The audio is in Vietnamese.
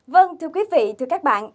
vâng thưa quý vị thưa các bạn